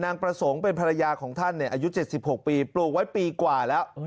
ประสงค์เป็นภรรยาของท่านอายุ๗๖ปีปลูกไว้ปีกว่าแล้ว